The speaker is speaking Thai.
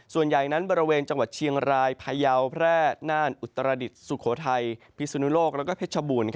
ส่วนใหญ่นั้นบริเวณจังหวัดเชียงรายพายาวแพร่น่านอุตรดิษฐ์สุโขทัยพิสุนุโลกและเพชรบูรณ์